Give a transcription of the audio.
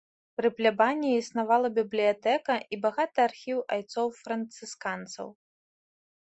Пры плябаніі існавала бібліятэка і багаты архіў айцоў францысканцаў.